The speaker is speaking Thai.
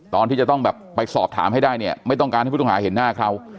ตอนที่จะต้องแบบไปสอบถามให้ได้เนี่ยไม่ต้องการให้ผู้ต้องหาเห็นหน้าเขา